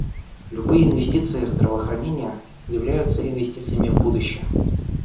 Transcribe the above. Любые инвестиции в здравоохранение являются инвестициями в будущее.